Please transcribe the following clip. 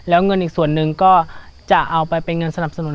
แล้วเงินอีกส่วนหนึ่งก็จะเอาไปเป็นเงินสนับสนุน